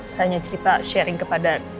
saya hanya cerita sharing kepada